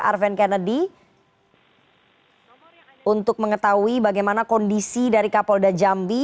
arven kennedy untuk mengetahui bagaimana kondisi dari kapolda jambi